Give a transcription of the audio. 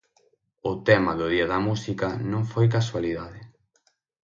O tema do Día da Música non foi casualidade.